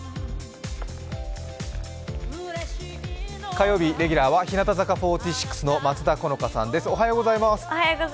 火曜日、レギュラーは日向坂４６の松田好花さんです。